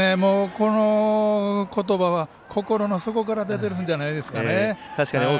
このことばは心の底から出ているんじゃないですかね。